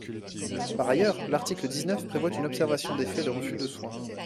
Par ailleurs, l’article dix-neuf prévoit une observation des faits de refus de soins.